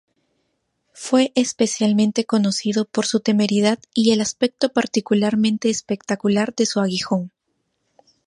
Fue especialmente conocido por su temeridad y el aspecto particularmente espectacular de su aguijón.